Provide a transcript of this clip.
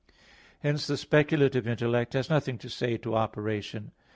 Hence, the speculative intellect has nothing to say to operation.